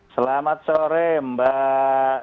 selamat sore mbak